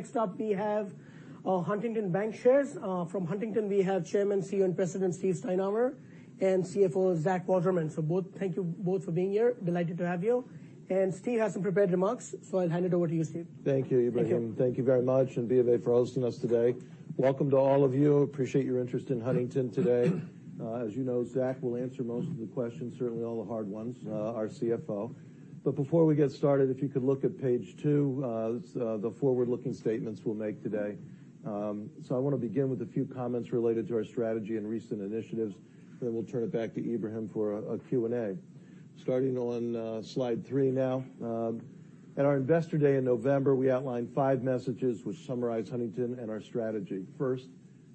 Next up, we have Huntington Bancshares. From Huntington, we have Chairman, CEO, and President Steve Steinour, and CFO Zach Wasserman. So thank you both for being here. Delighted to have you. And Steve has some prepared remarks, so I'll hand it over to you, Steve. Thank you. Thank you. You're welcome. Thank you very much, and BofA for hosting us today. Welcome to all of you. Appreciate your interest in Huntington today. As you know, Zach will answer most of the questions, certainly all the hard ones, our CFO, but before we get started, if you could look at page two, the forward-looking statements we'll make today, so I want to begin with a few comments related to our strategy and recent initiatives, then we'll turn it back to Ebrahim for a Q&A. Starting on slide three now. At our investor day in November, we outlined five messages which summarize Huntington and our strategy. First,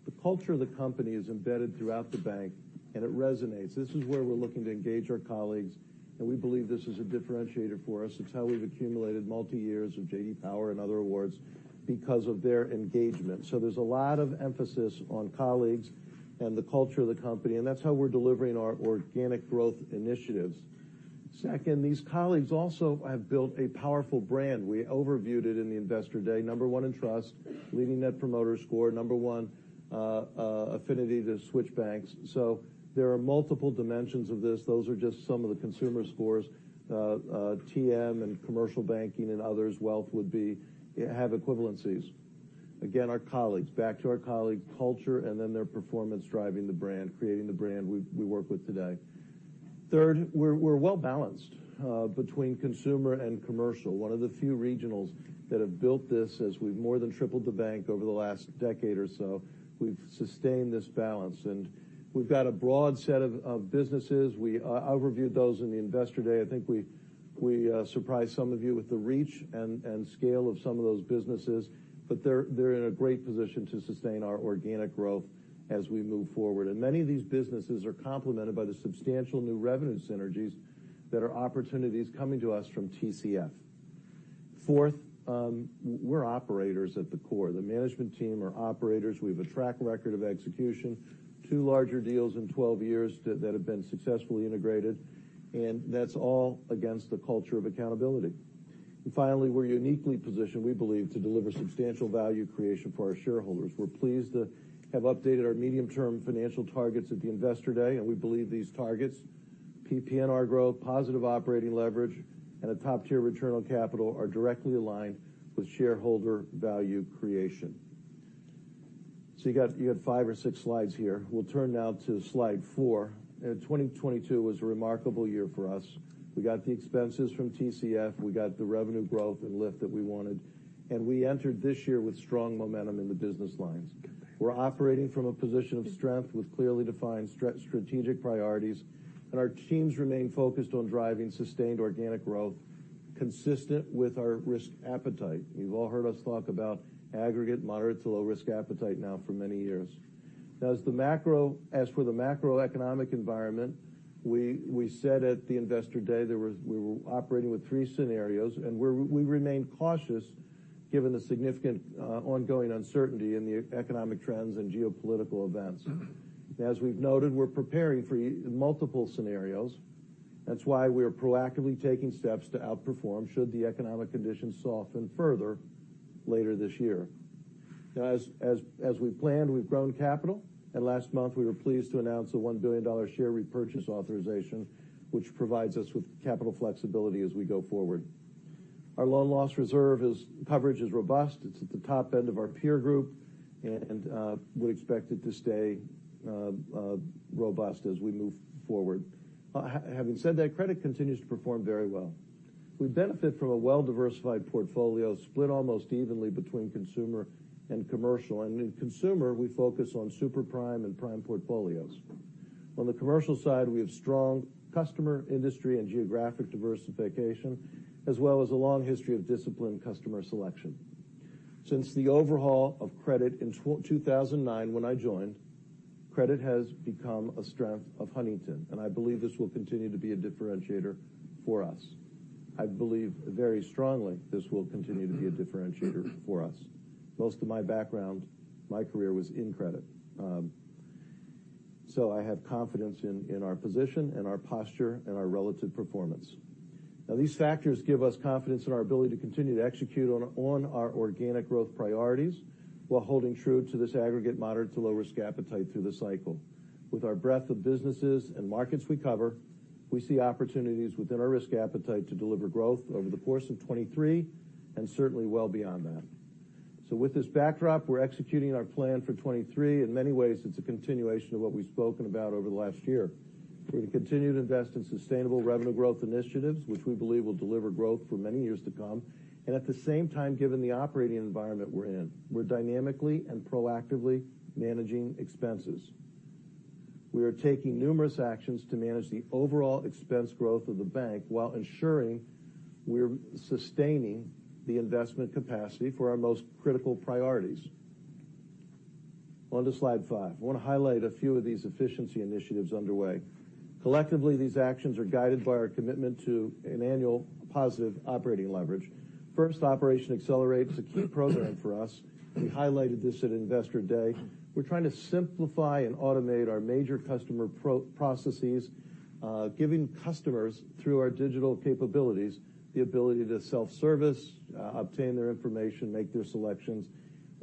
the culture of the company is embedded throughout the bank, and it resonates. This is where we're looking to engage our colleagues, and we believe this is a differentiator for us. It's how we've accumulated multi-years of J.D. Power and other awards because of their engagement. There's a lot of emphasis on colleagues and the culture of the company, and that's how we're delivering our organic growth initiatives. Second, these colleagues also have built a powerful brand. We overviewed it in the Investor Day. Number one in trust, leading Net Promoter Score, number one, affinity to switch banks. There are multiple dimensions of this. Those are just some of the consumer scores. TM and Commercial Banking and others, wealth would have equivalencies. Again, our colleagues, back to our colleagues, culture, and then their performance driving the brand, creating the brand we work with today. Third, we're well balanced between consumer and commercial, one of the few regionals that have built this. As we've more than tripled the bank over the last decade or so, we've sustained this balance. We've got a broad set of businesses. We overviewed those in the Investor Day. I think we surprised some of you with the reach and scale of some of those businesses, but they're in a great position to sustain our organic growth as we move forward. And many of these businesses are complemented by the substantial new revenue synergies that are opportunities coming to us from TCF. Fourth, we're operators at the core. The management team are operators. We have a track record of execution, two larger deals in 12 years that have been successfully integrated, and that's all against the culture of accountability. And finally, we're uniquely positioned, we believe, to deliver substantial value creation for our shareholders. We're pleased to have updated our medium-term financial targets at the investor day, and we believe these targets, PPNR growth, positive operating leverage, and a top-tier return on capital, are directly aligned with shareholder value creation. So you got five or six slides here. We'll turn now to slide four. 2022 was a remarkable year for us. We got the expenses from TCF. We got the revenue growth and lift that we wanted, and we entered this year with strong momentum in the business lines. We're operating from a position of strength with clearly defined strategic priorities, and our teams remain focused on driving sustained organic growth consistent with our risk appetite. You've all heard us talk about aggregate, moderate to low risk appetite now for many years. Now, as for the macroeconomic environment, we said at the investor day we were operating with three scenarios, and we remain cautious given the significant ongoing uncertainty in the economic trends and geopolitical events. As we've noted, we're preparing for multiple scenarios. That's why we are proactively taking steps to outperform should the economic conditions soften further later this year. Now, as we planned, we've grown capital, and last month we were pleased to announce a $1 billion share repurchase authorization, which provides us with capital flexibility as we go forward. Our loan loss reserve coverage is robust. It's at the top end of our peer group, and we expect it to stay robust as we move forward. Having said that, credit continues to perform very well. We benefit from a well-diversified portfolio split almost evenly between consumer and commercial. And in consumer, we focus on super prime and prime portfolios. On the commercial side, we have strong customer, industry, and geographic diversification, as well as a long history of disciplined customer selection. Since the overhaul of credit in 2009, when I joined, credit has become a strength of Huntington, and I believe this will continue to be a differentiator for us. I believe very strongly this will continue to be a differentiator for us. Most of my background, my career was in credit, so I have confidence in our position, our posture, and our relative performance. Now, these factors give us confidence in our ability to continue to execute on our organic growth priorities while holding true to this aggregate, moderate to low risk appetite through the cycle. With our breadth of businesses and markets we cover, we see opportunities within our risk appetite to deliver growth over the course of 2023 and certainly well beyond that. So with this backdrop, we're executing our plan for 2023. In many ways, it's a continuation of what we've spoken about over the last year. We're going to continue to invest in sustainable revenue growth initiatives, which we believe will deliver growth for many years to come. At the same time, given the operating environment we're in, we're dynamically and proactively managing expenses. We are taking numerous actions to manage the overall expense growth of the bank while ensuring we're sustaining the investment capacity for our most critical priorities. Onto slide five. I want to highlight a few of these efficiency initiatives underway. Collectively, these actions are guided by our commitment to an annual positive operating leverage. First, Operation Accelerate is a key program for us. We highlighted this at investor day. We're trying to simplify and automate our major customer processes, giving customers, through our digital capabilities, the ability to self-service, obtain their information, make their selections,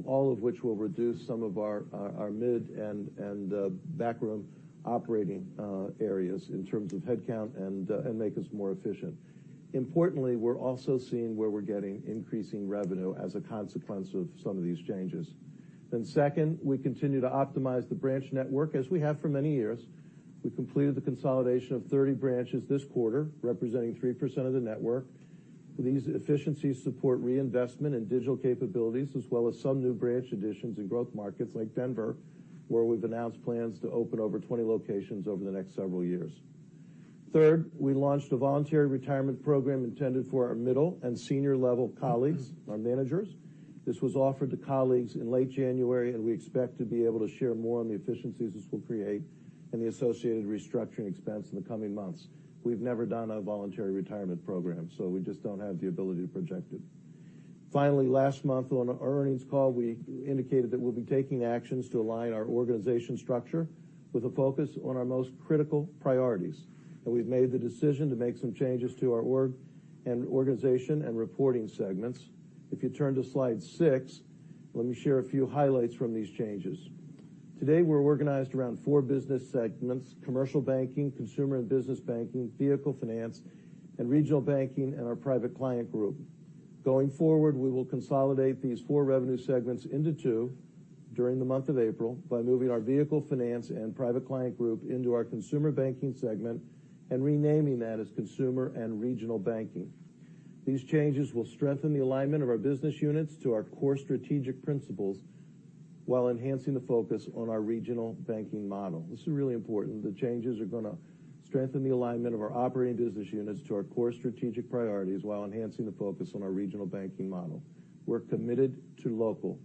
all of which will reduce some of our mid and backroom operating areas in terms of headcount and make us more efficient. Importantly, we're also seeing where we're getting increasing revenue as a consequence of some of these changes. Then second, we continue to optimize the branch network as we have for many years. We completed the consolidation of 30 branches this quarter, representing 3% of the network. These efficiencies support reinvestment in digital capabilities, as well as some new branch additions in growth markets like Denver, where we've announced plans to open over 20 locations over the next several years. Third, we launched a voluntary retirement program intended for our middle and senior-level colleagues, our managers. This was offered to colleagues in late January, and we expect to be able to share more on the efficiencies this will create and the associated restructuring expense in the coming months. We've never done a voluntary retirement program, so we just don't have the ability to project it. Finally, last month on our earnings call, we indicated that we'll be taking actions to align our organization structure with a focus on our most critical priorities. And we've made the decision to make some changes to our organization and reporting segments. If you turn to slide six, let me share a few highlights from these changes. Today, we're organized around four business segments. Commercial Banking, Consumer and Business Banking, Vehicle Finance, and Regional Banking, and our Private Client Group. Going forward, we will consolidate these four revenue segments into two during the month of April by moving our Vehicle Finance and Private Client Group into our Consumer Banking segment and renaming that as Consumer and Regional Banking. These changes will strengthen the alignment of our business units to our core strategic principles while enhancing the focus on our Regional Banking model. This is really important. The changes are going to strengthen the alignment of our operating business units to our core strategic priorities while enhancing the focus on our Regional Banking model. We're committed to local,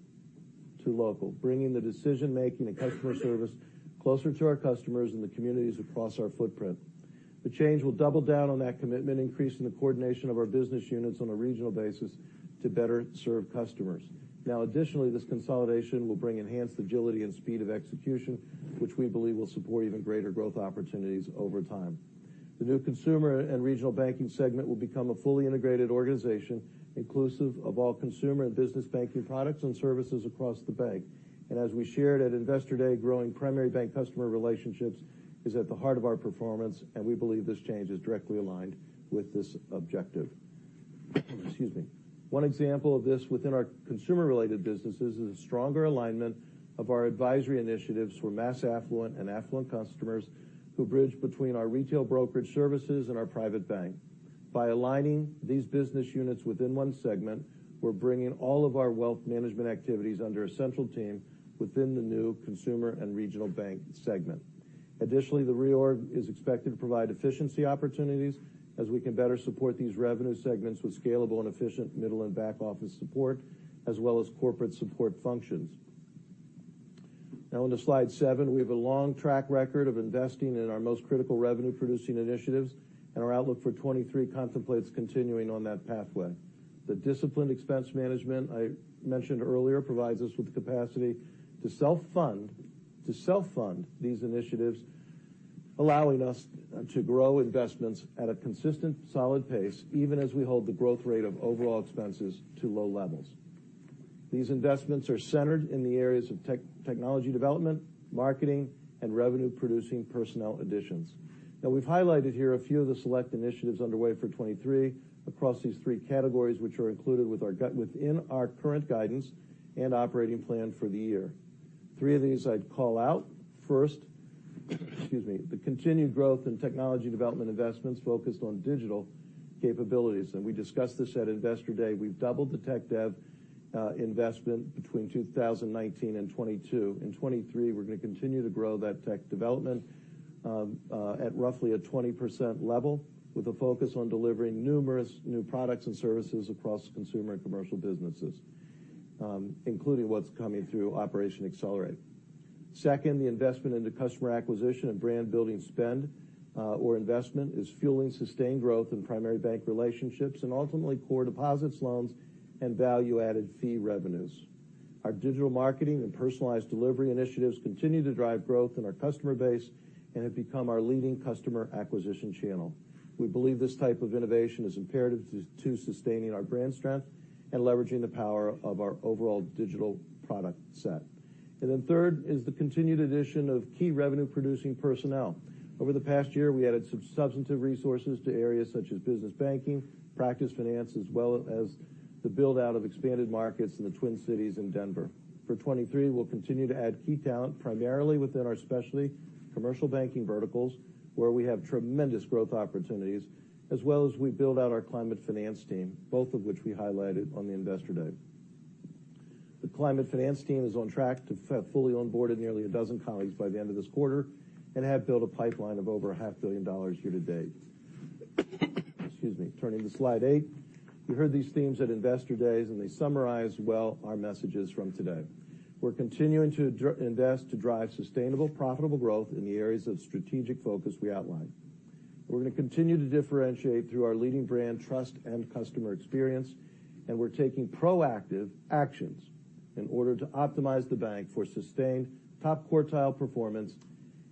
bringing the decision-making and customer service closer to our customers and the communities across our footprint. The change will double down on that commitment, increasing the coordination of our business units on a regional basis to better serve customers. Now, additionally, this consolidation will bring enhanced agility and speed of execution, which we believe will support even greater growth opportunities over time. The new Consumer and Regional Banking segment will become a fully integrated organization, inclusive of all Consumer and Business Banking products and services across the bank. As we shared at Investor Day, growing primary bank customer relationships is at the heart of our performance, and we believe this change is directly aligned with this objective. Excuse me. One example of this within our consumer-related businesses is a stronger alignment of our advisory initiatives for mass affluent and affluent customers who bridge between our retail brokerage services and our private bank. By aligning these business units within one segment, we're bringing all of our wealth management activities under a central team within the new consumer and regional bank segment. Additionally, the reorg is expected to provide efficiency opportunities as we can better support these revenue segments with scalable and efficient middle and back office support, as well as corporate support functions. Now, onto slide seven, we have a long track record of investing in our most critical revenue-producing initiatives, and our outlook for 2023 contemplates continuing on that pathway. The disciplined expense management I mentioned earlier provides us with the capacity to self-fund these initiatives, allowing us to grow investments at a consistent, solid pace, even as we hold the growth rate of overall expenses to low levels. These investments are centered in the areas of technology development, marketing, and revenue-producing personnel additions. Now, we've highlighted here a few of the select initiatives underway for 2023 across these three categories, which are included within our current guidance and operating plan for the year. Three of these I'd call out. First, excuse me, the continued growth in technology development investments focused on digital capabilities. And we discussed this at investor day. We've doubled the tech dev investment between 2019 and 2022. In 2023, we're going to continue to grow that tech development at roughly a 20% level with a focus on delivering numerous new products and services across consumer and commercial businesses, including what's coming through Operation Accelerate. Second, the investment into customer acquisition and brand-building spend or investment is fueling sustained growth in primary bank relationships and ultimately core deposits, loans, and value-added fee revenues. Our digital marketing and personalized delivery initiatives continue to drive growth in our customer base and have become our leading customer acquisition channel. We believe this type of innovation is imperative to sustaining our brand strength and leveraging the power of our overall digital product set. Then third is the continued addition of key revenue-producing personnel. Over the past year, we added substantive resources to areas such as Business Banking, Practice Finance, as well as the build-out of expanded markets in the Twin Cities and Denver. For 2023, we'll continue to add key talent primarily within our specialty Commercial Banking verticals, where we have tremendous growth opportunities, as well as we build out our Climate Finance team, both of which we highlighted on the investor day. The Climate Finance team is on track to fully onboard nearly a dozen colleagues by the end of this quarter and have built a pipeline of over $500 million year to date. Excuse me. Turning to slide eight, you heard these themes at investor days, and they summarize well our messages from today. We're continuing to invest to drive sustainable, profitable growth in the areas of strategic focus we outlined. We're going to continue to differentiate through our leading brand trust and customer experience, and we're taking proactive actions in order to optimize the bank for sustained top quartile performance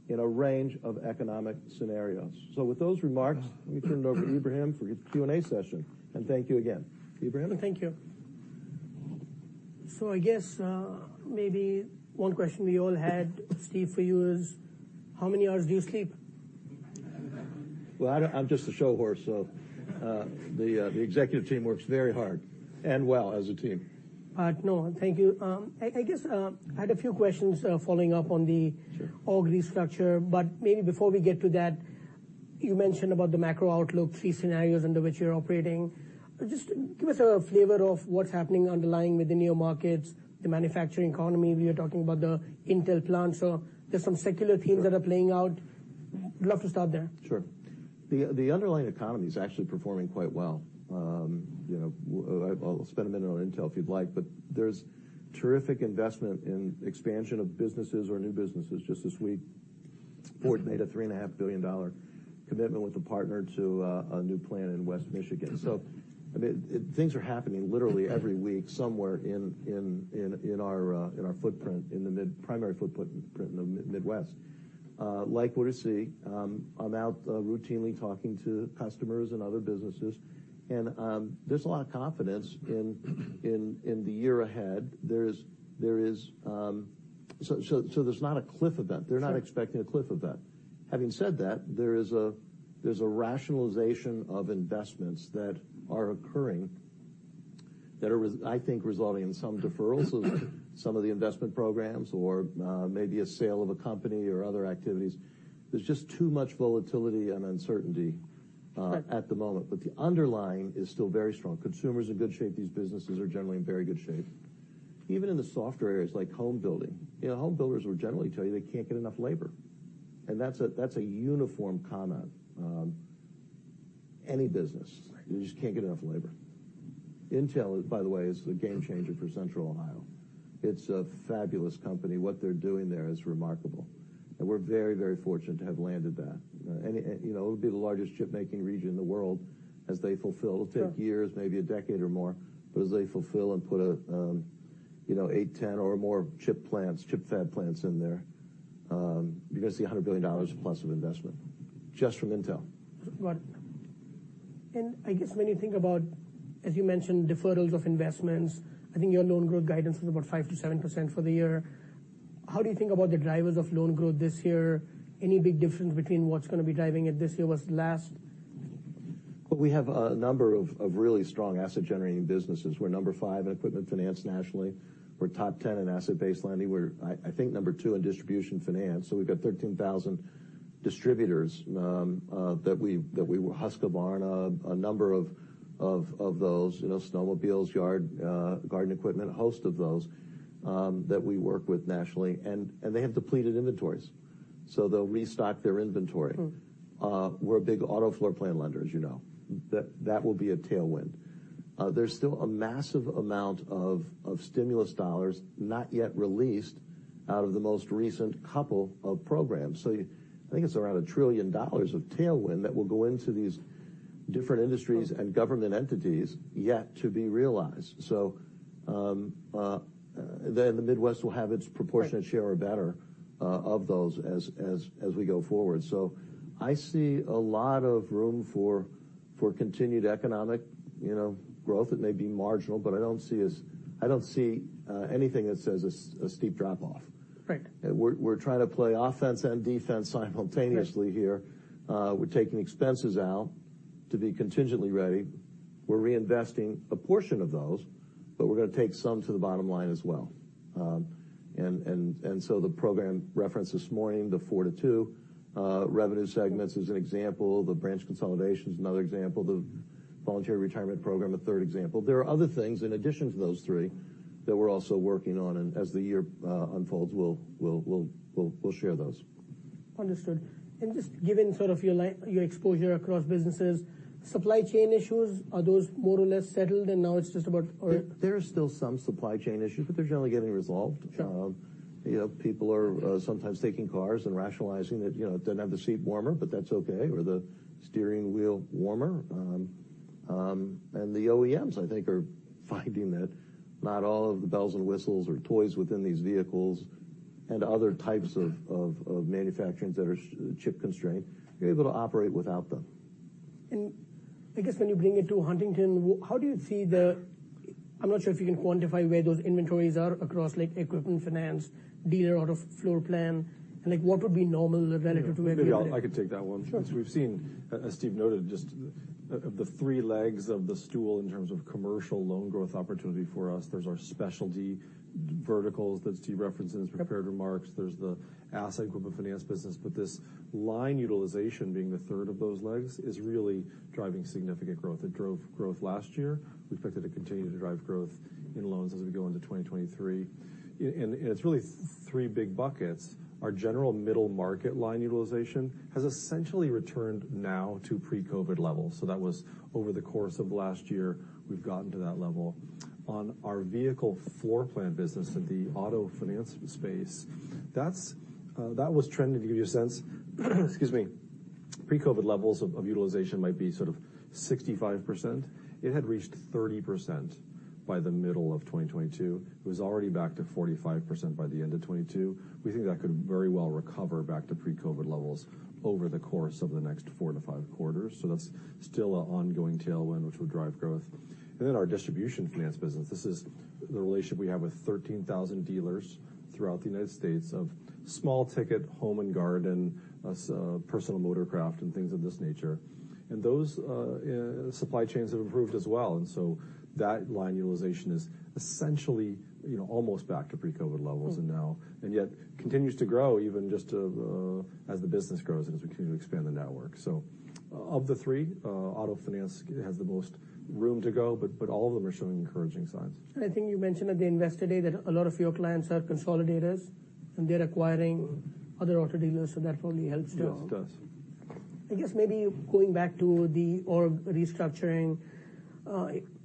in a range of economic scenarios. So with those remarks, let me turn it over to Ebrahim for the Q&A session, and thank you again. Ebrahim. Thank you. So I guess maybe one question we all had, Steve, for you is, how many hours do you sleep? Well, I'm just a show horse, so the executive team works very hard and well as a team. No, thank you. I guess I had a few questions following up on the org restructure, but maybe before we get to that, you mentioned about the macro outlook, three scenarios under which you're operating. Just give us a flavor of what's happening underlying within your markets, the manufacturing economy? We were talking about the Intel plant. So there's some secular themes that are playing out. I'd love to start there. Sure. The underlying economy is actually performing quite well. I'll spend a minute on Intel if you'd like, but there's terrific investment in expansion of businesses or new businesses just this week. Ford made a $3.5 billion commitment with a partner to a new plant in West Michigan. So things are happening literally every week somewhere in our footprint, in the primary footprint in the Midwest. Like, what we see, I'm out routinely talking to customers and other businesses, and there's a lot of confidence in the year ahead. There is. So there's not a cliff event. They're not expecting a cliff event. Having said that, there is a rationalization of investments that are occurring that are, I think, resulting in some deferrals of some of the investment programs or maybe a sale of a company or other activities. There's just too much volatility and uncertainty at the moment, but the underlying is still very strong. Consumers in good shape. These businesses are generally in very good shape. Even in the softer areas like home building, home builders will generally tell you they can't get enough labor. That's a uniform comment. Any business, they just can't get enough labor. Intel, by the way, is a game changer for Central Ohio. It's a fabulous company. What they're doing there is remarkable. And we're very, very fortunate to have landed that. It'll be the largest chipmaking region in the world as they fulfill. It'll take years, maybe a decade or more, but as they fulfill and put eight, 10, or more chip plants, chip fab plants in there, you're going to see $100 billion plus of investment just from Intel. Got it. I guess when you think about, as you mentioned, deferrals of investments, I think your loan growth guidance is about 5%-7% for the year. How do you think about the drivers of loan growth this year? Any big difference between what's going to be driving it this year versus last? Well, we have a number of really strong asset-generating businesses. We're number five in Equipment Finance nationally. We're top 10 in asset-based lending. We're, I think, number two in Distribution Finance. So we've got 13,000 distributors that we were Husqvarna, a number of those, snowmobiles, yard garden equipment, a host of those that we work with nationally. They have depleted inventories, so they'll restock their inventory. We're a big auto floor plan lender, as you know. That will be a tailwind. There's still a massive amount of stimulus dollars not yet released out of the most recent couple of programs. I think it's around $1 trillion of tailwind that will go into these different industries and government entities yet to be realized. Then the Midwest will have its proportionate share or better of those as we go forward. I see a lot of room for continued economic growth. It may be marginal, but I don't see anything that says a steep drop-off. We're trying to play offense and defense simultaneously here. We're taking expenses out to be contingently ready. We're reinvesting a portion of those, but we're going to take some to the bottom line as well. So the program referenced this morning, the four to two revenue segments, is an example. The branch consolidation is another example. The voluntary retirement program, a third example. There are other things in addition to those three that we're also working on. And as the year unfolds, we'll share those. Understood. And just given sort of your exposure across businesses, supply chain issues, are those more or less settled, and now it's just about? There are still some supply chain issues, but they're generally getting resolved. People are sometimes taking cars and rationalizing that they don't have the seat warmer, but that's okay, or the steering wheel warmer. And the OEMs, I think, are finding that not all of the bells and whistles or toys within these vehicles and other types of manufacturing that are chip constrained, you're able to operate without them. I guess when you bring it to Huntington, how do you see the, I'm not sure if you can quantify where those inventories are across Equipment Finance, dealer floor plan, and what would be normal relative to where people are? I could take that one. As we've seen, as Steve noted, just the three legs of the stool in terms of commercial loan growth opportunity for us, there's our specialty verticals that Steve referenced in his prepared remarks. There's the asset Equipment Finance business, but this line utilization, being the third of those legs, is really driving significant growth. It drove growth last year. We expect it to continue to drive growth in loans as we go into 2023. It's really three big buckets. Our general middle market line utilization has essentially returned now to pre-COVID levels. So that was over the course of last year. We've gotten to that level. On our Vehicle Floor Plan business, the Auto Finance Space, that was trending, to give you a sense. Excuse me, pre-COVID levels of utilization might be sort of 65%. It had reached 30% by the middle of 2022. It was already back to 45% by the end of 2022. We think that could very well recover back to pre-COVID levels over the course of the next four to five quarters, so that's still an ongoing tailwind, which will drive growth, and then our Distribution Finance business, this is the relationship we have with 13,000 dealers throughout the United States of small ticket, home and garden, personal motorcraft, and things of this nature, and those supply chains have improved as well. And so that line utilization is essentially almost back to pre-COVID levels and yet continues to grow even just as the business grows and as we continue to expand the network. So of the three, Auto Finance has the most room to go, but all of them are showing encouraging signs. And I think you mentioned at the Investor Day that a lot of your clients are consolidators, and they're acquiring other auto dealers, so that probably helps too. Yes, it does. I guess maybe going back to the org restructuring,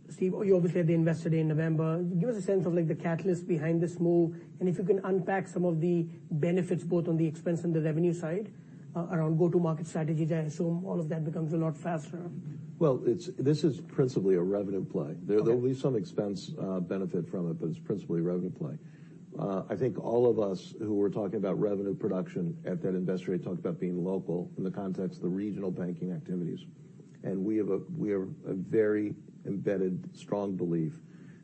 Steve, you obviously had the Investor Day in November. Give us a sense of the catalyst behind this move, and if you can unpack some of the benefits both on the expense and the revenue side around go-to-market strategies. I assume all of that becomes a lot faster. Well, this is principally a revenue play. There will be some expense benefit from it, but it's principally a revenue play. I think all of us who were talking about revenue production at that investor day talked about being local in the context of the Regional Banking activities, and we have a very embedded, strong belief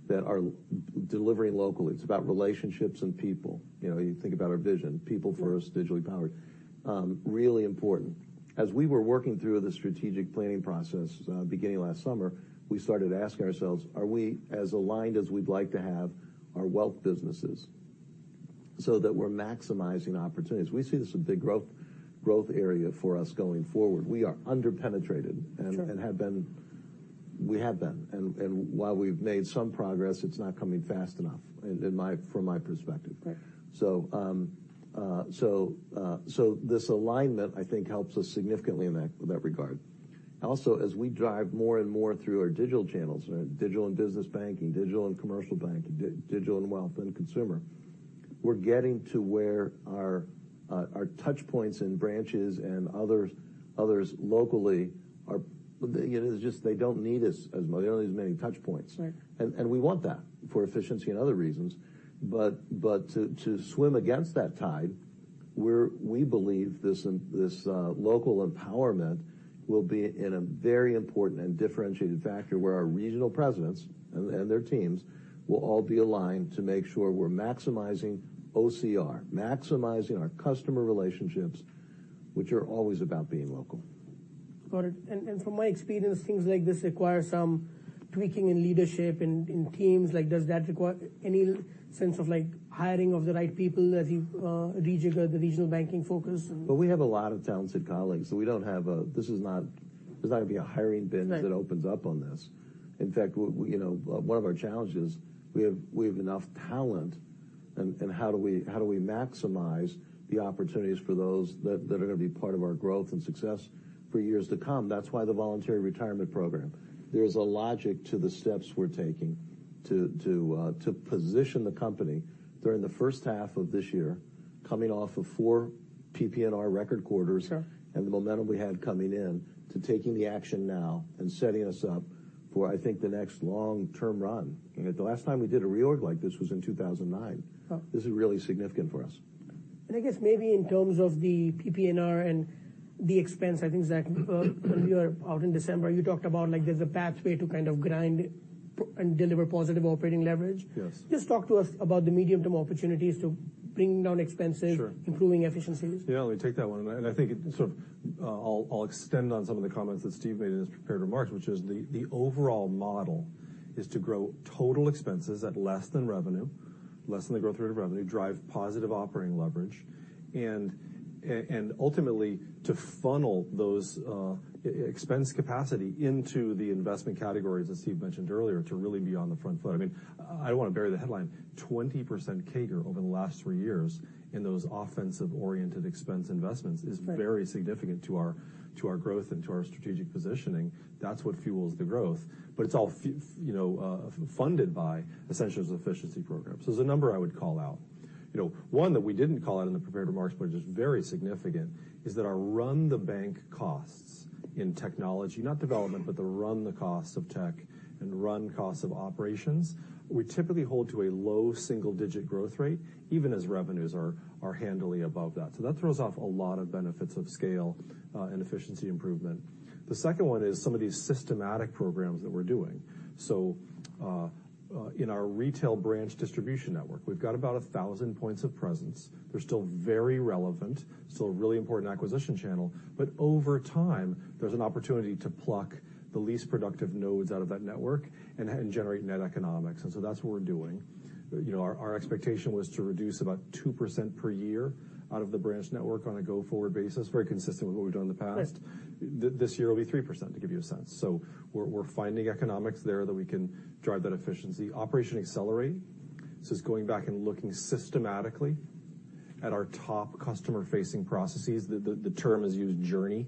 that delivering locally, it's about relationships and people. You think about our vision, people first, digitally powered, really important. As we were working through the strategic planning process beginning last summer, we started asking ourselves, are we as aligned as we'd like to have our wealth businesses so that we're maximizing opportunities? We see this as a big growth area for us going forward. We are underpenetrated and have been, we have been, and while we've made some progress, it's not coming fast enough from my perspective, so this alignment, I think, helps us significantly in that regard. Also, as we drive more and more through our digital channels, digital and business banking, digital and commercial banking, digital and wealth and consumer, we're getting to where our touchpoints in branches and others locally are just they don't need us as much. They don't need as many touchpoints. And we want that for efficiency and other reasons. But to swim against that tide, we believe this local empowerment will be a very important and differentiated factor where our Regional Presidents and their teams will all be aligned to make sure we're maximizing OCR, maximizing our customer relationships, which are always about being local. Got it. And from my experience, things like this require some tweaking in leadership and in teams. Does that require any sense of hiring of the right people as you rejigger the Regional Banking focus? We have a lot of talented colleagues, so this is not going to be a hiring binge that opens up on this. In fact, one of our challenges is we have enough talent, and how do we maximize the opportunities for those that are going to be part of our growth and success for years to come? That's why the voluntary retirement program. There is a logic to the steps we're taking to position the company during the first half of this year, coming off of four PPNR record quarters and the momentum we had coming in, to taking the action now and setting us up for, I think, the next long-term run. The last time we did a reorg like this was in 2009. This is really significant for us. I guess maybe in terms of the PPNR and the expense, I think when we were out in December, you talked about there's a pathway to kind of grind and deliver positive operating leverage. Just talk to us about the medium-term opportunities to bring down expenses, improving efficiencies. Yeah, let me take that one. I think sort of I'll extend on some of the comments that Steve made in his prepared remarks, which is the overall model is to grow total expenses at less than revenue, less than the growth rate of revenue, drive positive operating leverage, and ultimately to funnel those expense capacity into the investment categories that Steve mentioned earlier to really be on the front foot. I mean, I don't want to bury the headline. 20% CAGR over the last three years in those offensive-oriented expense investments is very significant to our growth and to our strategic positioning. That's what fuels the growth. But it's all funded by essentials efficiency programs. So there's a number I would call out. One that we didn't call out in the prepared remarks, but it is very significant, is that our run-the-bank costs in technology, not development, but the run-the-costs of tech and run-costs of operations, we typically hold to a low single-digit growth rate, even as revenues are handily above that. So that throws off a lot of benefits of scale and efficiency improvement. The second one is some of these systematic programs that we're doing. So in our retail branch distribution network, we've got about 1,000 points of presence. They're still very relevant, still a really important acquisition channel. Over time, there's an opportunity to pluck the least productive nodes out of that network and generate net economics. That's what we're doing. Our expectation was to reduce about 2% per year out of the branch network on a go-forward basis, very consistent with what we've done in the past. This year, it'll be 3%, to give you a sense. We're finding economics there that we can drive that efficiency. Operation Accelerate is going back and looking systematically at our top customer-facing processes. The term is user journey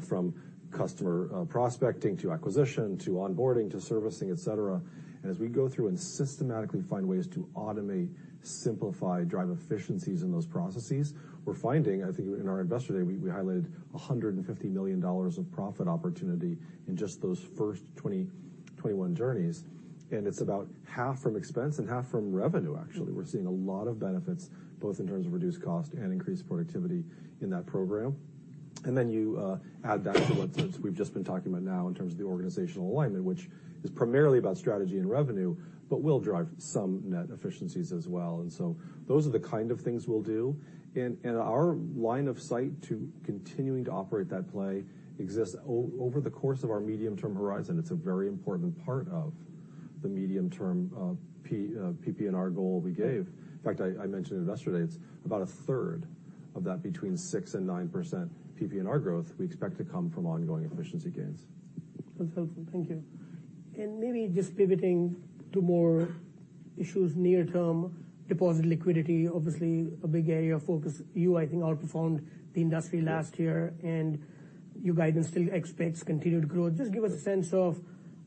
from customer prospecting to acquisition to onboarding to servicing, etc. As we go through and systematically find ways to automate, simplify, drive efficiencies in those processes, we're finding. I think in our Investor Day, we highlighted $150 million of profit opportunity in just those first 2021 journeys. And it's about half from expense and half from revenue, actually. We're seeing a lot of benefits, both in terms of reduced cost and increased productivity in that program. And then you add that to what we've just been talking about now in terms of the organizational alignment, which is primarily about strategy and revenue, but will drive some net efficiencies as well. And so those are the kind of things we'll do. And our line of sight to continuing to operate that play exists over the course of our medium-term horizon. It's a very important part of the medium-term PPNR goal we gave. In fact, I mentioned it yesterday. It's about a third of that between 6% and 9% PPNR growth we expect to come from ongoing efficiency gains. That's helpful. Thank you. And maybe just pivoting to more issues near-term, deposit liquidity, obviously a big area of focus. You, I think, outperformed the industry last year, and your guidance still expects continued growth. Just give us a sense of,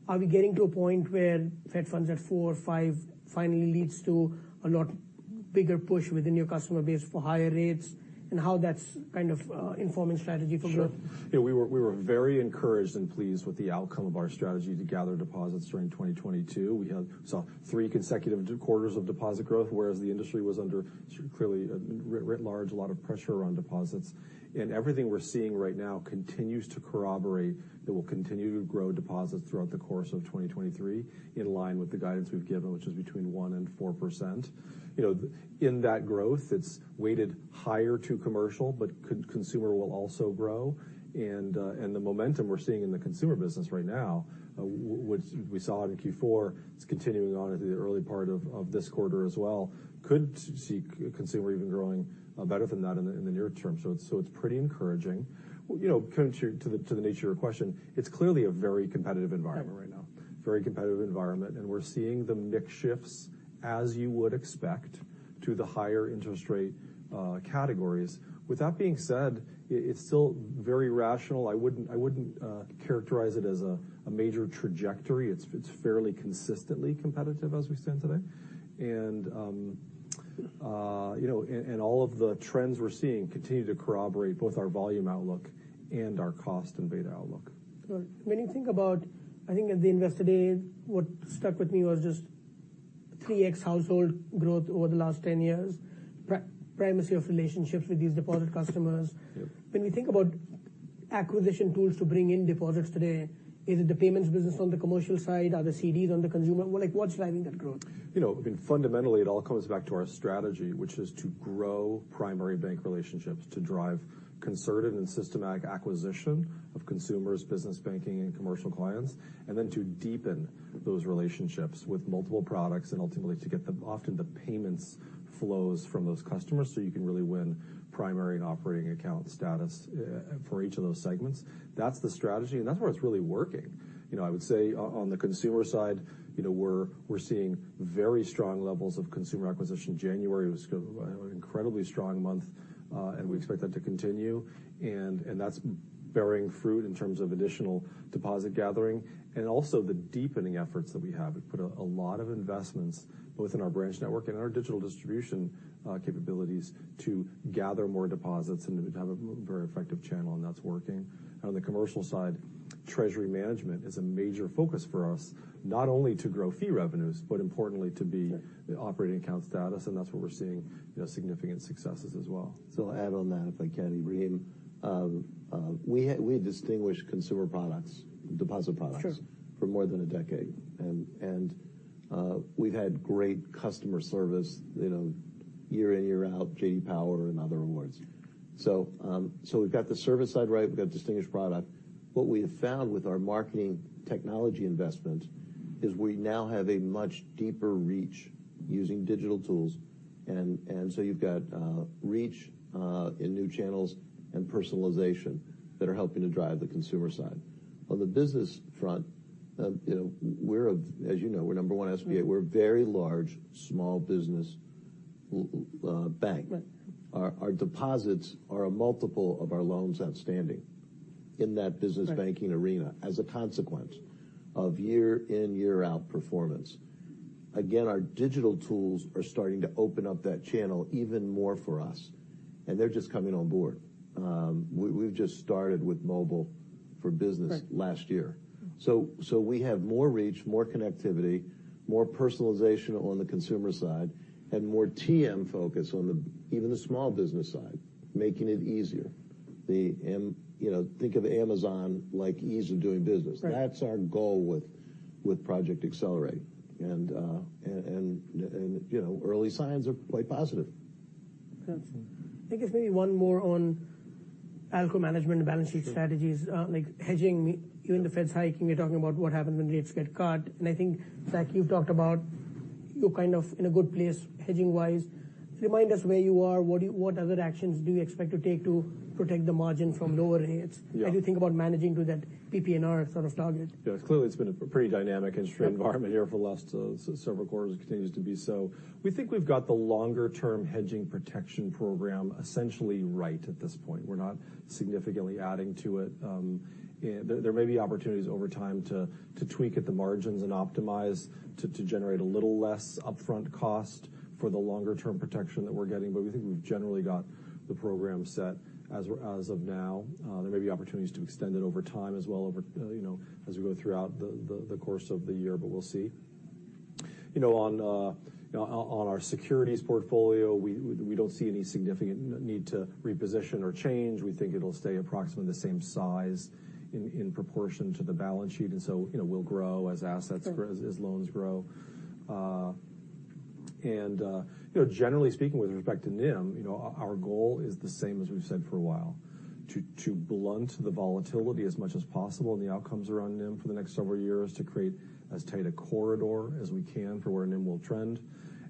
are we getting to a point where Fed funds at four, five, finally leads to a lot bigger push within your customer base for higher rates and how that's kind of informing strategy for growth? Sure. Yeah, we were very encouraged and pleased with the outcome of our strategy to gather deposits during 2022. We saw three consecutive quarters of deposit growth, whereas the industry was under clearly writ large a lot of pressure on deposits. And everything we're seeing right now continues to corroborate that we'll continue to grow deposits throughout the course of 2023 in line with the guidance we've given, which is between 1% and 4%. In that growth, it's weighted higher to commercial, but consumer will also grow. The momentum we're seeing in the consumer business right now, which we saw in Q4, it's continuing on at the early part of this quarter as well. [We] could see consumer even growing better than that in the near term. So it's pretty encouraging. Coming to the nature of your question, it's clearly a very competitive environment right now. Very competitive environment. And we're seeing the mixed shifts, as you would expect, to the higher interest rate categories. With that being said, it's still very rational. I wouldn't characterize it as a major trajectory. It's fairly consistently competitive as we stand today. And all of the trends we're seeing continue to corroborate both our volume outlook and our cost and beta outlook. When you think about, I think at the investor day, what stuck with me was just 3x household growth over the last 10 years, primacy of relationships with these deposit customers. When we think about acquisition tools to bring in deposits today, is it the payments business on the commercial side? Are the CDs on the consumer? What's driving that growth? Fundamentally, it all comes back to our strategy, which is to grow primary bank relationships, to drive concerted and systematic acquisition of consumers, business banking, and commercial clients, and then to deepen those relationships with multiple products and ultimately to get often the payments flows from those customers so you can really win primary and operating account status for each of those segments. That's the strategy, and that's where it's really working. I would say on the consumer side, we're seeing very strong levels of consumer acquisition. January was an incredibly strong month, and we expect that to continue. That's bearing fruit in terms of additional deposit gathering and also the deepening efforts that we have. We put a lot of investments both in our branch network and in our digital distribution capabilities to gather more deposits and to have a very effective channel, and that's working. On the commercial side, treasury management is a major focus for us, not only to grow fee revenues, but importantly to be operating account status. That's where we're seeing significant successes as well. I'll add on that, if I can, Ebrahim. We distinguish consumer products, deposit products for more than a decade. We've had great customer service year in, year out, J.D. Power and other awards. We've got the service side right. We've got distinguished product. What we have found with our marketing technology investment is we now have a much deeper reach using digital tools, and so you've got reach in new channels and personalization that are helping to drive the consumer side. On the business front, as you know, we're number one SBA. We're a very large, small business bank. Our deposits are a multiple of our loans outstanding in that business banking arena as a consequence of year-in-year-out performance. Again, our digital tools are starting to open up that channel even more for us, and they're just coming on board. We've just started with Mobile for Business last year, so we have more reach, more connectivity, more personalization on the consumer side, and more TM focus on even the small business side, making it easier. Think of Amazon like ease of doing business. That's our goal with Project Accelerate. And early signs are quite positive. I think there's maybe one more on outcome management and balance sheet strategies, like hedging. You and the Fed's hiking. You're talking about what happens when rates get cut. And I think, Zach, you've talked about you're kind of in a good place hedging-wise. Remind us where you are. What other actions do you expect to take to protect the margin from lower rates as you think about managing to that PP&R sort of target? Yeah, clearly, it's been a pretty dynamic and strong environment here for the last several quarters. It continues to be so. We think we've got the longer-term hedging protection program essentially right at this point. We're not significantly adding to it. There may be opportunities over time to tweak at the margins and optimize to generate a little less upfront cost for the longer-term protection that we're getting. But we think we've generally got the program set as of now. There may be opportunities to extend it over time as well as we go throughout the course of the year, but we'll see. On our securities portfolio, we don't see any significant need to reposition or change. We think it'll stay approximately the same size in proportion to the balance sheet. And so we'll grow as assets grow, as loans grow. And generally speaking, with respect to NIM, our goal is the same as we've said for a while, to blunt the volatility as much as possible in the outcomes around NIM for the next several years, to create as tight a corridor as we can for where NIM will trend,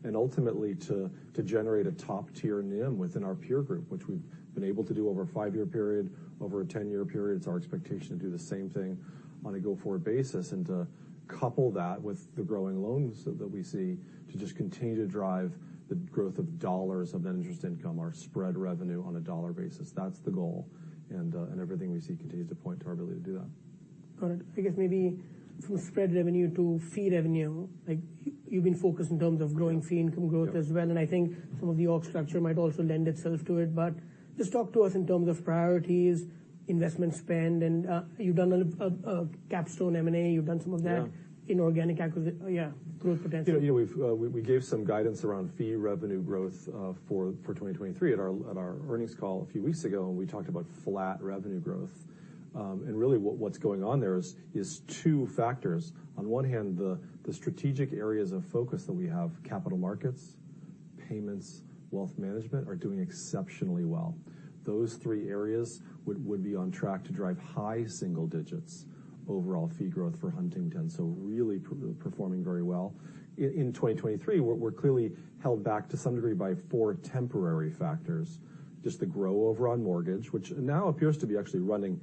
and ultimately to generate a top-tier NIM within our peer group, which we've been able to do over a five-year period, over a ten-year period. It's our expectation to do the same thing on a go-forward basis and to couple that with the growing loans that we see to just continue to drive the growth of dollars of net interest income, our spread revenue on a dollar basis. That's the goal. And everything we see continues to point to our ability to do that. Got it. I guess maybe from spread revenue to fee revenue, you've been focused in terms of growing fee income growth as well. And I think some of the org structure might also lend itself to it. But just talk to us in terms of priorities, investment spend. And you've done a Capstone M&A. You've done some of that in organic acquisition. Yeah, growth potential. We gave some guidance around fee revenue growth for 2023 at our earnings call a few weeks ago, and we talked about flat revenue growth. And really what's going on there is two factors. On one hand, the strategic areas of focus that we have, capital markets, payments, wealth management, are doing exceptionally well. Those three areas would be on track to drive high single-digits overall fee growth for Huntington, so really performing very well. In 2023, we're clearly held back to some degree by four temporary factors: just the rollover on mortgage, which now appears to be actually running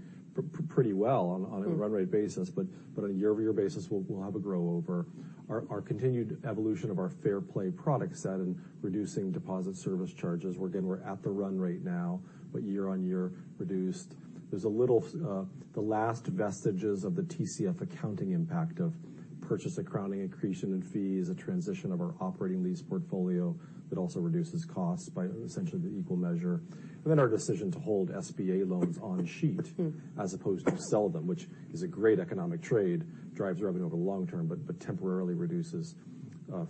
pretty well on a run-rate basis. But on a year-over-year basis, we'll have a rollover. Our continued evolution of our Fair Play product set and reducing deposit service charges. Again, we're at the run rate now, but year-on-year reduced. There's still the last vestiges of the TCF accounting impact of purchase accounting accretion and fees, a transition of our operating lease portfolio that also reduces costs by essentially the equal measure. And then our decision to hold SBA loans on balance sheet as opposed to sell them, which is a great economic trade, drives revenue over the long term, but temporarily reduces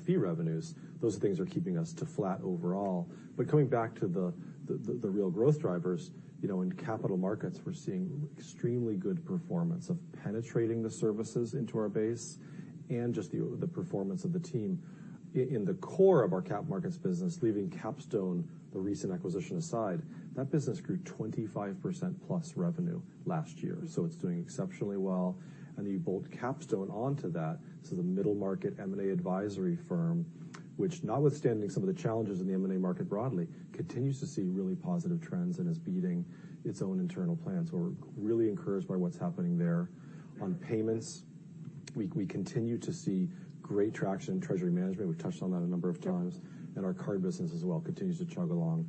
fee revenues. Those are things that are keeping us flat overall. Coming back to the real growth drivers, in capital markets, we're seeing extremely good performance of penetrating the services into our base and just the performance of the team. In the core of our capital markets business, leaving Capstone, the recent acquisition aside, that business grew 25% plus revenue last year. So it's doing exceptionally well. And you bolt Capstone onto that. The middle market M&A advisory firm, which, notwithstanding some of the challenges in the M&A market broadly, continues to see really positive trends and is beating its own internal plans. We're really encouraged by what's happening there. On payments, we continue to see great traction in treasury management. We've touched on that a number of times. And our card business as well continues to chug along.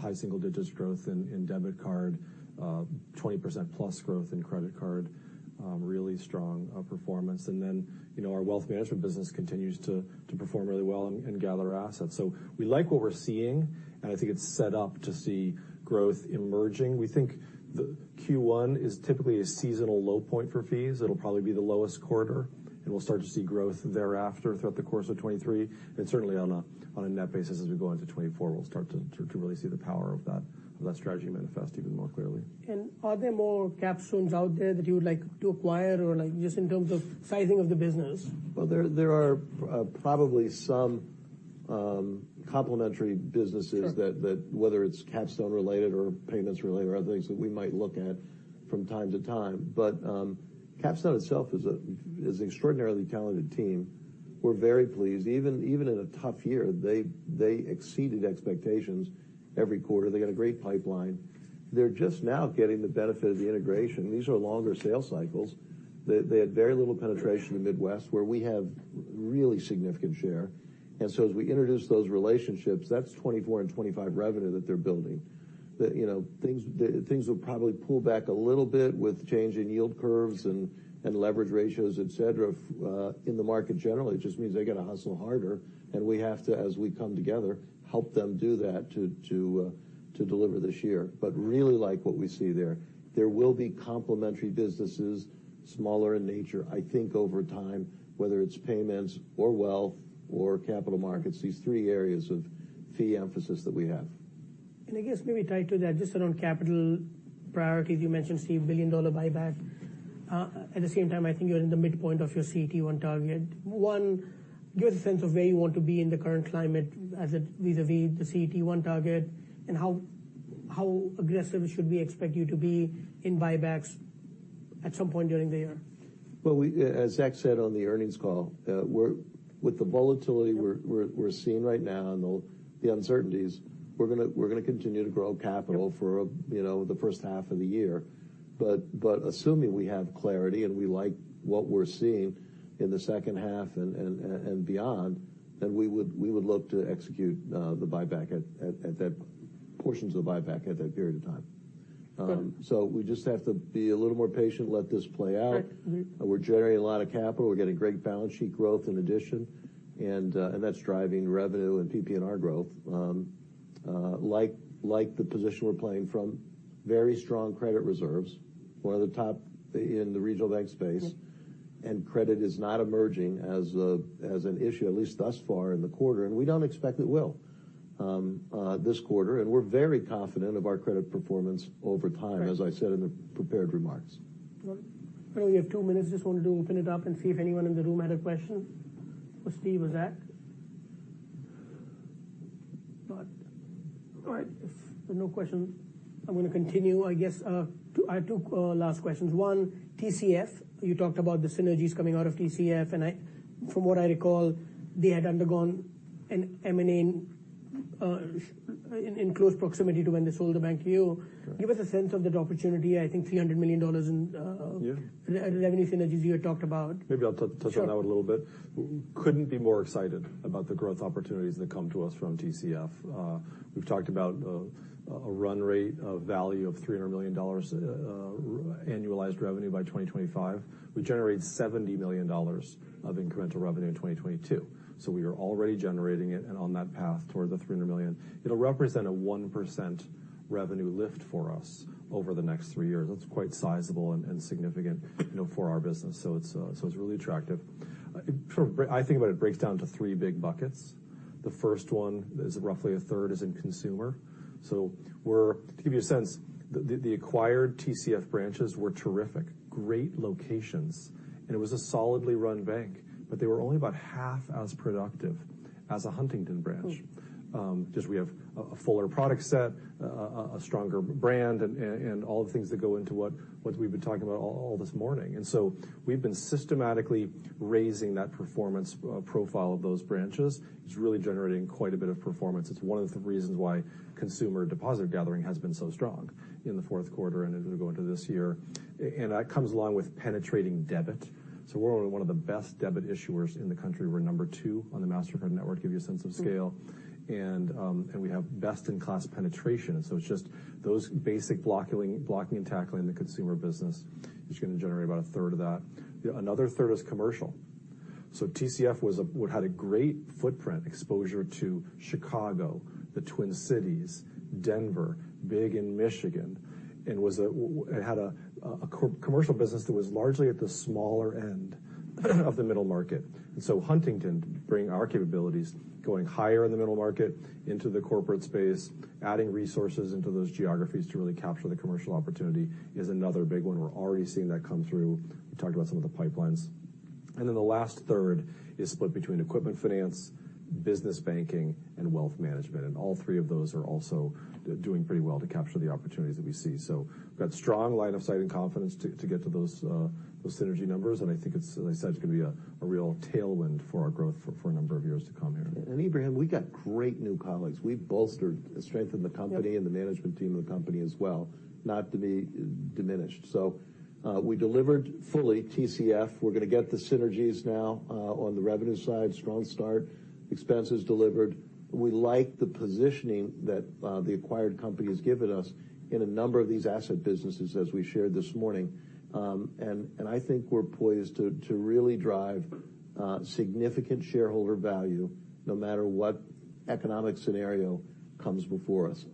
High single-digits growth in debit card, 20%+ growth in credit card, really strong performance. And then our wealth management business continues to perform really well and gather assets. So we like what we're seeing, and I think it's set up to see growth emerging. We think Q1 is typically a seasonal low point for fees. It'll probably be the lowest quarter, and we'll start to see growth thereafter throughout the course of 2023. And certainly, on a net basis, as we go into 2024, we'll start to really see the power of that strategy manifest even more clearly. And are there more Capstones out there that you would like to acquire or just in terms of sizing of the business? There are probably some complementary businesses that, whether it's Capstone-related or payments-related or other things that we might look at from time to time. Capstone itself is an extraordinarily talented team. We're very pleased. Even in a tough year, they exceeded expectations every quarter. They got a great pipeline. They're just now getting the benefit of the integration. These are longer sales cycles. They had very little penetration in the Midwest, where we have a really significant share. So as we introduce those relationships, that's 2024 and 2025 revenue that they're building. Things will probably pull back a little bit with change in yield curves and leverage ratios, etc., in the market generally. It just means they got to hustle harder. We have to, as we come together, help them do that to deliver this year. But really like what we see there, there will be complementary businesses, smaller in nature, I think over time, whether it's payments or wealth or capital markets, these three areas of fee emphasis that we have. And I guess maybe tied to that, just around capital priorities, you mentioned $1 billion buyback. At the same time, I think you're in the midpoint of your CET1 target. One, give us a sense of where you want to be in the current climate vis-à-vis the CET1 target, and how aggressive should we expect you to be in buybacks at some point during the year? Well, as Zach said on the earnings call, with the volatility we're seeing right now and the uncertainties, we're going to continue to grow capital for the first half of the year. But assuming we have clarity and we like what we're seeing in the second half and beyond, then we would look to execute the buyback at that portions of the buyback at that period of time. So we just have to be a little more patient, let this play out. We're generating a lot of capital. We're getting great balance sheet growth in addition, and that's driving revenue and PPNR growth. Like the position we're playing from, very strong credit reserves, one of the top in the regional bank space. And credit is not emerging as an issue, at least thus far in the quarter. And we don't expect it will this quarter. And we're very confident of our credit performance over time, as I said in the prepared remarks. Well, we have two minutes. Just wanted to open it up and see if anyone in the room had a question for Steve or Zach. All right. If there are no questions, I'm going to continue. I guess I have two last questions. One, TCF. You talked about the synergies coming out of TCF. And from what I recall, they had undergone an M&A in close proximity to when they sold the bank to you. Give us a sense of that opportunity. I think $300 million in revenue synergies you had talked about. Maybe I'll touch on that a little bit. Couldn't be more excited about the growth opportunities that come to us from TCF. We've talked about a run rate of value of $300 million annualized revenue by 2025. We generate $70 million of incremental revenue in 2022. So we are already generating it and on that path toward the $300 million. It'll represent a 1% revenue lift for us over the next three years. That's quite sizable and significant for our business, so it's really attractive. I think about it breaks down to three big buckets. The first one, roughly a third, is in consumer, so to give you a sense, the acquired TCF branches were terrific, great locations, and it was a solidly run bank, but they were only about half as productive as a Huntington branch. Just we have a fuller product set, a stronger brand, and all the things that go into what we've been talking about all this morning, and so we've been systematically raising that performance profile of those branches. It's really generating quite a bit of performance. It's one of the reasons why consumer deposit gathering has been so strong in the fourth quarter and going into this year. And that comes along with penetrating debit. So we're one of the best debit issuers in the country. We're number two on the Mastercard network, give you a sense of scale. And we have best-in-class penetration. And so it's just those basic blocking and tackling in the consumer business is going to generate about a third of that. Another third is commercial. So TCF had a great footprint, exposure to Chicago, the Twin Cities, Denver, big in Michigan, and had a commercial business that was largely at the smaller end of the middle market. And so Huntington, bringing our capabilities, going higher in the middle market, into the corporate space, adding resources into those geographies to really capture the commercial opportunity is another big one. We're already seeing that come through. We talked about some of the pipelines. And then the last third is split between equipment finance, business banking, and wealth management. And all three of those are also doing pretty well to capture the opportunities that we see. So we've got a strong line of sight and confidence to get to those synergy numbers. I think, as I said, it's going to be a real tailwind for our growth for a number of years to come here. And Ebrahim, we've got great new colleagues. We've bolstered and strengthened the company and the management team of the company as well, not to be diminished. So we delivered fully TCF. We're going to get the synergies now on the revenue side, strong start, expenses delivered. We like the positioning that the acquired company has given us in a number of these asset businesses, as we shared this morning. And I think we're poised to really drive significant shareholder value, no matter what economic scenario comes before us.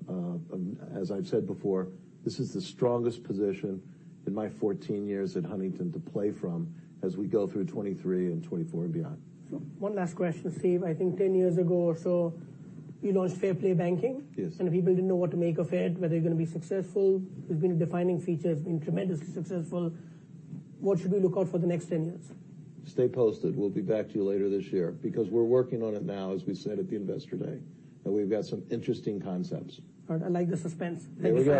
As I've said before, this is the strongest position in my 14 years at Huntington to play from as we go through 2023 and 2024 and beyond. One last question, Steve. I think 10 years ago or so, you launched Fair Play Banking. And people didn't know what to make of it, whether you're going to be successful. You've been defining features, been tremendously successful. What should we look out for the next 10 years? Stay posted. We'll be back to you later this year because we're working on it now, as we said at the Investor Day. And we've got some interesting concepts. All right. I like the suspense. Thank you.